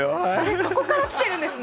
そこから来ているんですね。